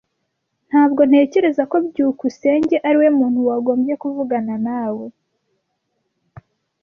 Ntabwo ntekereza ko byukusenge ariwe muntu wagombye kuvugana nawe.